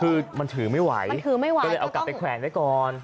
คือมันถือไม่ไหวถือไม่ไหวก็เลยเอากลับไปแขวนไว้ก่อน